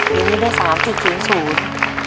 ปีนี้ได้๓๐แล้วลูก